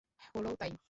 হলোও তাই।